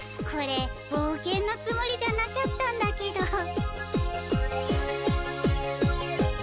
これぼうけんのつもりじゃなかったんだけど。